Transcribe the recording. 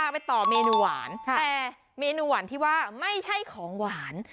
ไปต่อเมนูหวานแต่เมนูหวานที่ว่าไม่ใช่ของหวาน